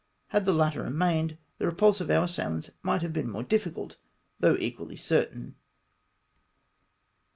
Had the latter remained, the repulse of our assailants might have been more difficult, though equally certain.